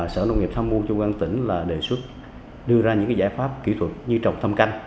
sở nông nghiệp tham mưu trung an tỉnh đề xuất đưa ra những giải pháp kỹ thuật như trồng thăm canh